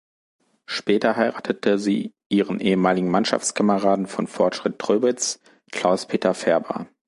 Später heiratete sie ihren ehemaligen Mannschaftskameraden von Fortschritt Tröbitz, Klaus-Peter Färber.